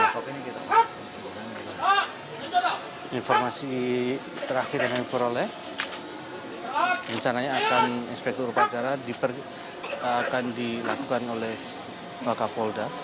di informasi terakhir yang diperoleh rencananya akan inspektur upacara akan dilakukan oleh wakapolda